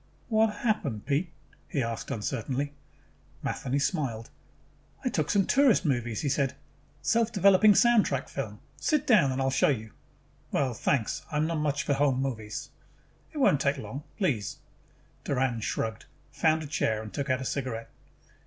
"What happened, Pete?" he asked uncertainly. Matheny smiled. "I took some tourist movies," he said. "Self developing soundtrack film. Sit down and I'll show you." "Well, thanks, but I am not so much for home movies." "It won't take long. Please." Doran shrugged, found a chair and took out a cigarette.